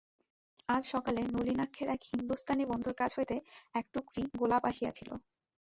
আজ সকালে নলিনাক্ষের এক হিন্দুস্থানি বন্ধুর কাছ হইতে এক টুকরি গোলাপ আসিয়াছিল।